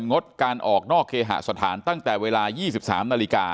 งดการออกนอกเกษฐานตั้งแต่เวลา๒๓น